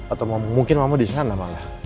atau mungkin mama disana malah